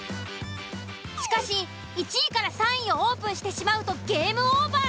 しかし１位３位をオープンしてしまうとゲームオーバー！